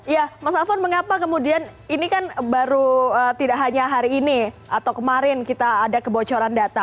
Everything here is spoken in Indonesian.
ya mas alfon mengapa kemudian ini kan baru tidak hanya hari ini atau kemarin kita ada kebocoran data